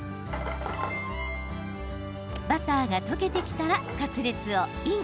バターが溶けてきたらカツレツをイン。